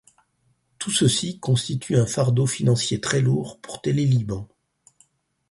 Tout ceci constitue un fardeau financier très lourd pour Télé-Liban.